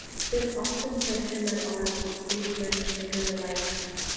This often put him at odds with statesmen and thinkers alike.